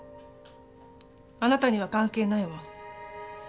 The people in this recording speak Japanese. あなたには関係ないわ。